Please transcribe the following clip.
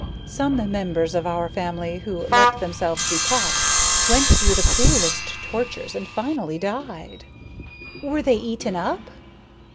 Some members of our family who let themselves be caught went through the cruellest tortures and finally died." "Were they eaten up?"